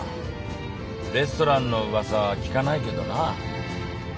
レストランのうわさは聞かないけどな。